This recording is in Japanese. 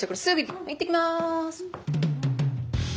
行ってきます。